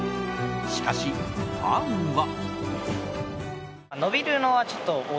しかしファンは。